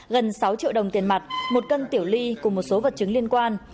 gần sáu triệu đồng tiền mặt một cân tiểu ly cùng một số vật chứng liên quan